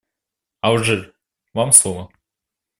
Алжир, вам слово.